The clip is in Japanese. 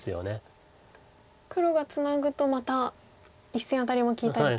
黒がツナぐとまた１線アタリも利いたりと。